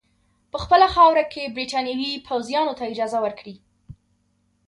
په خپله خاوره کې برټانوي پوځیانو ته اجازه ورکړي.